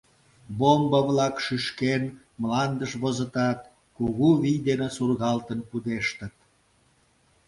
Бомба-влак, шӱшкен, мландыш возытат, кугу вий дене сургалтын пудештыт.